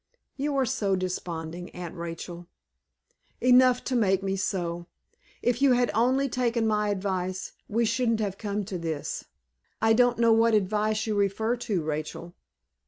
"You are too desponding, Aunt Rachel." "Enough to make me so. If you had only taken my advice, we shouldn't have come to this." "I don't know what advice you refer to, Rachel."